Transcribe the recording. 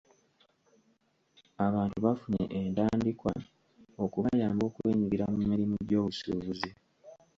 Abantu bafunye entandikwa okubayamba okwenyigira mu mirimu gy'obusuubuzi.